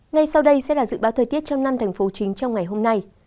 ngay sau đây sẽ là dự báo thời tiết trong năm thành phố chính trong ngày hôm nay